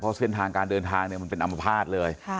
เพราะเส้นทางการเดินทางเนี่ยมันเป็นอำภาษณ์เลย